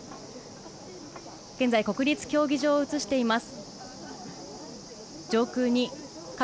現在、国立競技場を映しています。